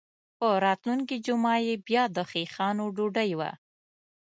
په راتلونکې جمعه یې بیا د خیښانو ډوډۍ وه.